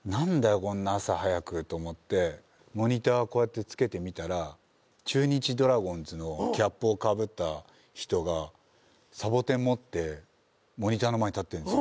こんな朝早くと思ってモニターつけてみたら中日ドラゴンズのキャップをかぶった人がサボテン持ってモニターの前に立ってんですよ。